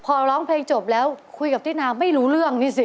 พอร้องเพลงจบแล้วคุยกับตินาไม่รู้เรื่องนี่สิ